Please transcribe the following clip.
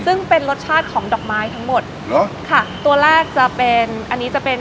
ซึ่งเป็นรสชาติของดอกไม้ทั้งหมดเหรอค่ะตัวแรกจะเป็นอันนี้จะเป็น